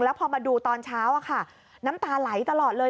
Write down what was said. แล้วพอมาดูตอนเช้าน้ำตาไหลตลอดเลย